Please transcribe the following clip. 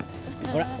ほら。